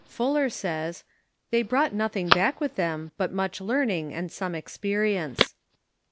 Fuller says: "They brought nothing back with them but much learning and some experience."